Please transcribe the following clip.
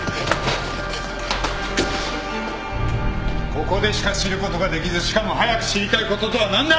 ここでしか知ることができずしかも早く知りたいこととは何だ！？